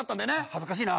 恥ずかしいな。